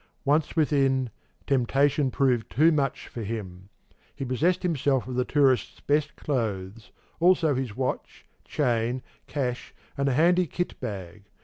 Once within, temptation proved too much for him. He possessed himself of the tourist's best clothes, also his watch, chain, cash, and a handy kit bag.